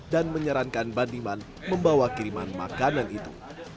dan menyarankan bandiman membawa kiriman makanan itu